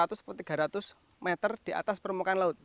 jadi sekitar empat ratus atau tiga ratus meter di atas permukaan laut